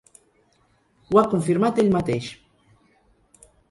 Ho ha confirmat ell mateix.